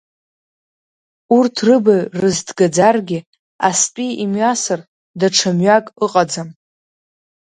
Урҭ рыбаҩ рызҭгаӡаргьы, астәи имҩамсыр, даҽа мҩак ыҟаӡам.